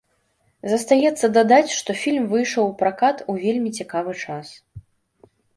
Застаецца дадаць, што фільм выйшаў у пракат у вельмі цікавы час.